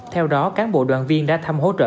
theo đó cán bộ đoàn viên đã thăm hỗ trợ